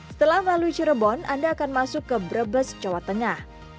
setelah melalui cirebon anda akan masuk ke brebes jawa tengah